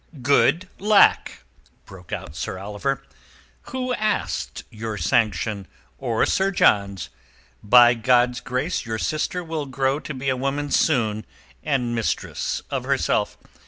"Good lack!" broke out Sir Oliver. "Who asks your sanction or Sir John's? By God's grace your sister will grow to be a woman soon and mistress of herself.